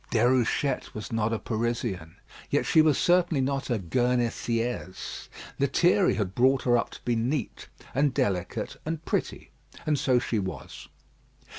Déruchette was not a Parisian; yet she was certainly not a Guernesiaise. Lethierry had brought her up to be neat and delicate and pretty; and so she was.